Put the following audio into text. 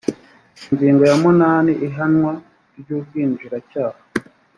ingingo ya munani ihanwa ry’ubwinjiracyaha